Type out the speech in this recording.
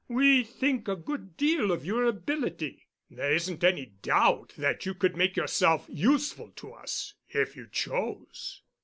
We think a good deal of your ability. There isn't any doubt that you could make yourself useful to us if you chose."